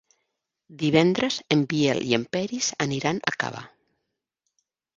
Divendres en Biel i en Peris aniran a Cava.